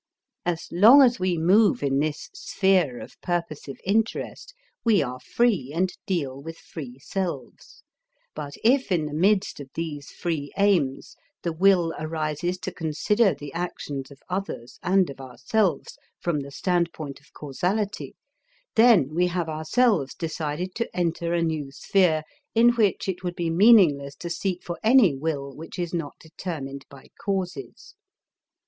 As long as we move in this sphere of purposive interest, we are free and deal with free selves; but if in the midst of these free aims, the will arises to consider the actions of others and of ourselves from the standpoint of causality, then we have ourselves decided to enter a new sphere in which it would be meaningless to seek for any will which is not determined by causes.